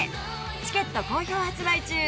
チケット好評発売中。